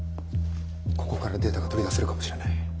ここからデータが取り出せるかもしれない。